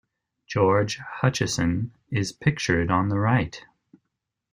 George Hutcheson is pictured on the right.